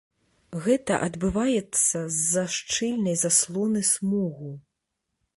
Гэта адбываецца з-за шчыльнай заслоны смогу.